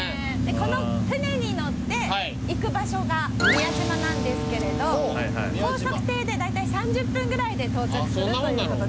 この船に乗って行く場所が宮島なんですけれど高速艇で大体３０分ぐらいで到着するということです